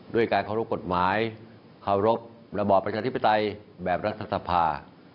ด้วยการเคารพกฎหมายเคารพระบอบประชาธิปไตยแบบรัฐสภา